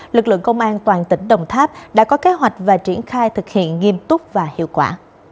lực lượng công an toàn tỉnh đồng tháp đã có kế hoạch và triển khai thực hiện nghiêm túc và hiệu quả